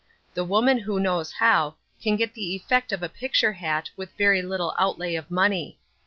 The woman who knows how, can get the effect of a picture hat with very little outlay of money.